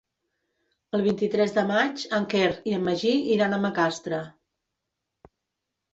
El vint-i-tres de maig en Quer i en Magí iran a Macastre.